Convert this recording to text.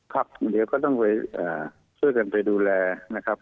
ครับเดี๋ยวก็ต้องไปช่วยกันไปดูแลนะครับ